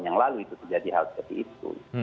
yang lalu itu terjadi hal seperti itu